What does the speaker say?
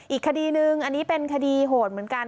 อีกคดีนึงอันนี้เป็นคดีโหดเหมือนกัน